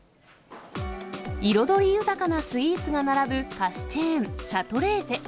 彩り豊かなスイーツが並ぶ菓子チェーン、シャトレーゼ。